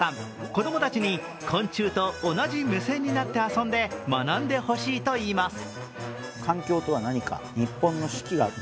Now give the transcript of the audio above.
子供たちに昆虫と同じ目線になって遊んで学んでほしいといいます。